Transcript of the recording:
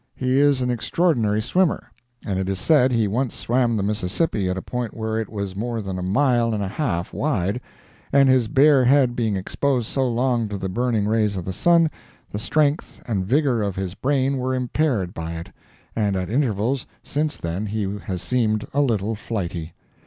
He is an extraordinary swimmer, and it is said he once swam the Mississippi at a point where it was more than a mile and a half wide, and his bare head being exposed so long to the burning rays of the sun, the strength and vigor of his brain were impaired by it, and at intervals since then he has seemed a little flighty.